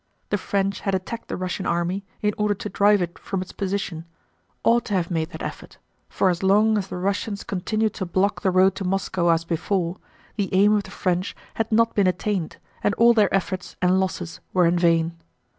The French who had attacked the Russian army in order to drive it from its position ought to have made that effort, for as long as the Russians continued to block the road to Moscow as before, the aim of the French had not been attained and all their efforts and losses were in vain.